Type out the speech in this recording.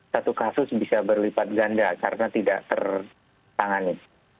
satu kasus bisa berlipat ganda karena tidak tertangani